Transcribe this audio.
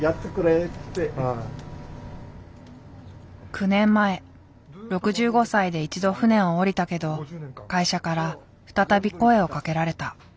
９年前６５歳で一度船をおりたけど会社から再び声をかけられた。